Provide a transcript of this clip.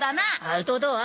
アウトドア。